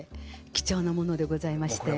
貴重なものでございまして。